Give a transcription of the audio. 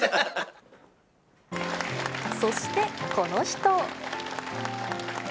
そしてこの人。